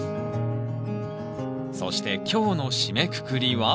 そして今日の締めくくりは？